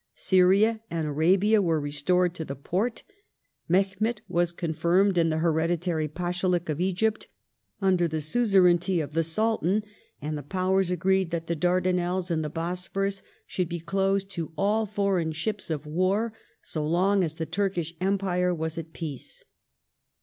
Syria and Arabia were restored to the Porte ; Mehemet was confirmed in the hereditary Pashalik of Egypt under the suzer ainty of the Sultan, and the Powei*s agreed that the Dardanelles and the Bosphorus should be closed to all foreign ships of war so long as the Turkish Empire was at peace.